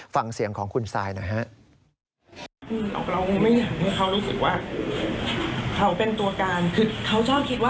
ฟังเสียงของคุณซายหน่อยฮะ